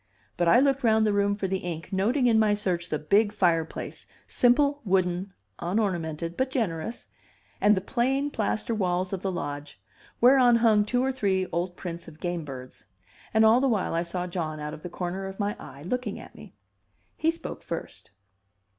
But I looked round the room for the ink, noting in my search the big fireplace, simple, wooden, unornamented, but generous, and the plain plaster walls of the lodge, whereon hung two or three old prints of gamebirds; and all the while I saw John out of the corner of my eye, looking at me. He spoke first.